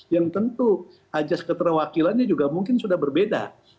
yang tentu ajas keterwakilannya juga mungkin sudah berbeda